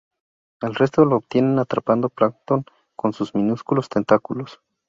El resto lo obtienen atrapando plancton con sus minúsculos tentáculos.